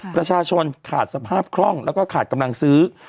ประชาชนขาดสภาพคล่องแล้วก็ขาดกำลังซื้อ